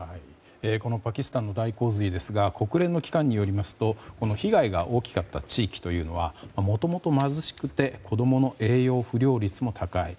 このパキスタンの大洪水ですが国連の機関によるとこの被害が大きかった地域はもともと貧しくて子供の栄養不良率も高い。